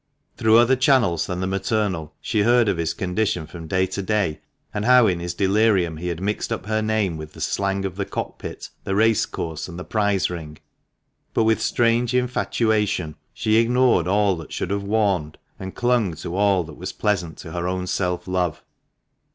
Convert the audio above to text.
Through other channels than the maternal she heard of his condition from day to day, and how in his delirium he had mixed up her name with the slang of the cock pit, the race course, and the prize ring; but with strange infatuation she ignored all that should have warned, and clung to all that was pleasant to her own self love.